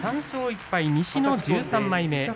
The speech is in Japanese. ３勝１敗、西の１３枚目。